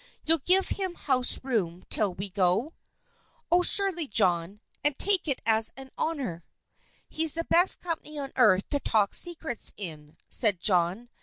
"You'll give him house room till we go?" "Oh, surely, John, and take it as an honor." "He's the best company on earth to talk secrets in," said John.